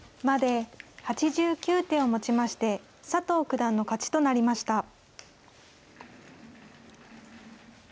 まで８９手をもちまして佐藤九段の勝ちとなりました。